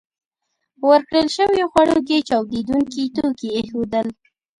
په ورکړل شويو خوړو کې چاودېدونکي توکي ایښودل